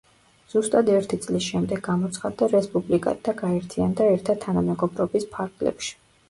ზუსტად ერთი წლის შემდეგ გამოცხადდა რესპუბლიკად და გაერთიანდა ერთა თანამეგობრობის ფარგლებში.